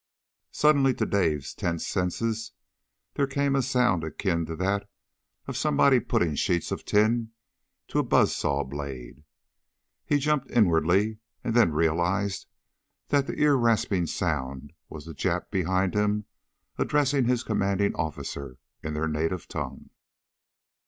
Suddenly to Dave's tensed senses there came a sound akin to that of somebody putting sheets of tin to a buzz saw blade. He jumped inwardly and then realized that the ear rasping sound was the Jap behind him addressing his commanding officer in their native tongue.